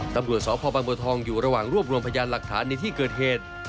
ตำรวจสอปปางบทอยู่ระหว่างร่วมร่วงพยานหลักฐานในที่เกิดเหตุ